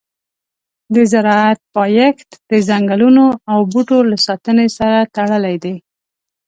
د زراعت پایښت د ځنګلونو او بوټو له ساتنې سره تړلی دی.